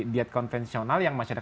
diet konvensional yang masih ada